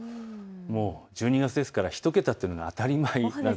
もう１２月ですから１桁というのは当たり前です。